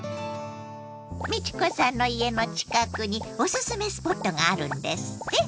美智子さんの家の近くにおすすめスポットがあるんですって？